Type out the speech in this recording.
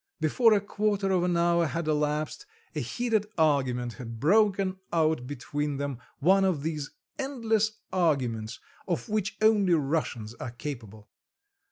Before a quarter of an hour had elapsed a heated argument had broken out between them, one of these endless arguments, of which only Russians are capable.